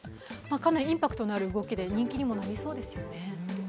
かなりインパクトのある動きで人気にもなりそうですよね。